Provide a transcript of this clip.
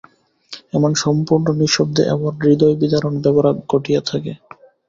এমন সম্পূর্ণ নিঃশব্দে এমন হৃদয়বিদারণ ব্যাপার ঘটিয়া থাকে।